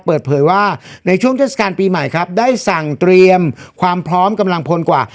เปิดเผยว่าในช่วงเทศกาลปีใหม่ครับได้สั่งเตรียมความพร้อมกำลังพลกว่า